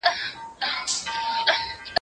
زموږ پاچا دی موږ په ټولو دی منلی